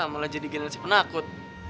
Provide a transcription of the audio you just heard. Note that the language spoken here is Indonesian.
mulai jadi generasi penakut